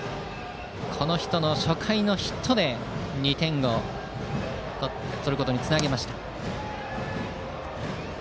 この人の初回のヒットで２点を取ることにつなげました。